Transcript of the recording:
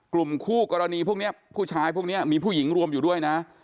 กลุ่มคู่กรณีพวกนี้ผู้ชายพวกนี้มีผู้หญิงรวมอยู่ด้วยนะ